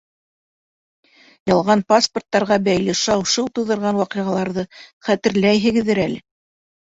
Ялған паспорттарға бәйле шау-шыу тыуҙырған ваҡиғаларҙы хәтерләйһегеҙҙер әле.